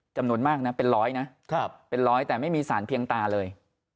จำนวนมากนะเป็นร้อยนะเป็นร้อยแต่ไม่มีสารเพียงตาเลย